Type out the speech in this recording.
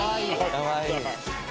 かわいい。